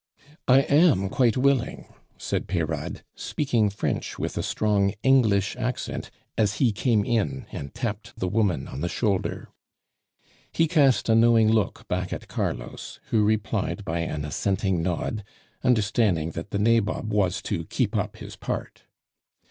"I am quite willing," said Peyrade, speaking French with a strong English accent, as he came in and tapped the woman on the shoulder. He cast a knowing look back at Carlos, who replied by an assenting nod, understanding that the nabob was to keep up his part.